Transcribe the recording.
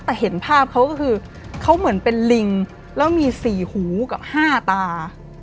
แต่เห็นภาพเขาก็คือเขาเหมือนเป็นลิงแล้วมีสี่หูกับ๕ตา